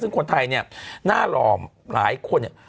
ซึ่งคนไทยเนี่ยหน้าหล่อหลายคนเนี่ย